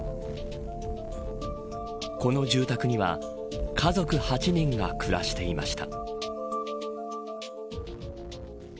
この住宅には家族８人が暮らしていました